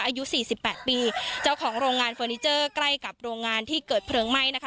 อายุสี่สิบแปดปีเจ้าของโรงงานเฟอร์นิเจอร์ใกล้กับโรงงานที่เกิดเพลิงไหม้นะคะ